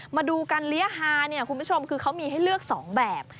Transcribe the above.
มาดูกันลัยหาคุณผู้ชมคือเขามีให้เลือกสองแบบ